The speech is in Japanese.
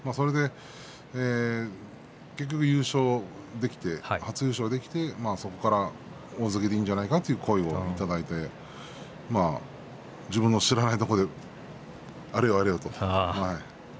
結局、初優勝できてそこから大関いいんじゃないかという声をいただいて自分の知らないところであれよあれよと。